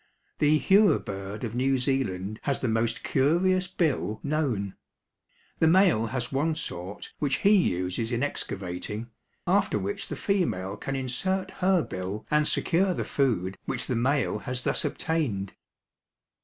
The hurabird of New Zealand has the most curious bill known. The male has one sort which he uses in excavating, after which the female can insert her bill and secure the food which the male has thus obtained.